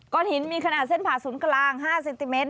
หินมีขนาดเส้นผ่าศูนย์กลาง๕เซนติเมตร